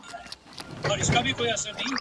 انګرېزان په زړه ورتیا وجنګېدل.